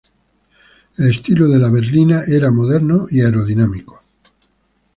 El estilo de la berlina era moderno y aerodinámico.